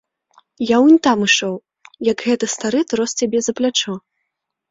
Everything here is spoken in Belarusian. Я унь там ішоў, як гэты стары трос цябе за плячо.